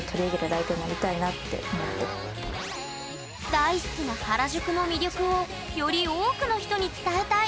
大好きな原宿の魅力をより多くの人に伝えたい。